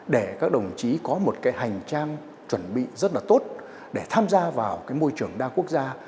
để các đồng chí có một cái hành trang chuẩn bị rất là tốt để tham gia vào cái môi trường đa quốc gia